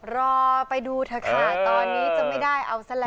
รอไปดูเถอะค่ะตอนนี้จะไม่ได้เอาซะแล้ว